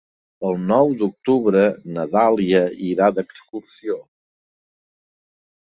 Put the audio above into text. El nou d'octubre na Dàlia irà d'excursió.